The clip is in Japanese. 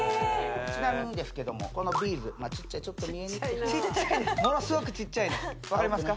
ちなみにですけどもこのビーズまあちっちゃいちょっと見えにくいかなちっちゃいですものすごくちっちゃいの分かりますか？